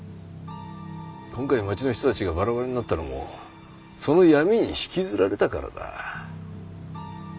今回町の人たちがバラバラになったのもその闇に引きずられたからだ。